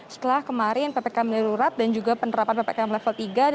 setelah kemarin ppk melirurat dan juga penerapan ppk yang level tiga